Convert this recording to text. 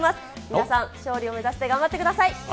皆さん、勝利を目指して頑張ってください。